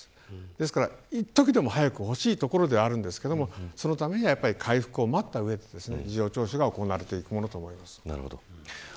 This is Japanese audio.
ですから、いっときでも早く欲しいところではありますがそのためにはまず回復を待った上で事情聴取が行われていくものと思われます。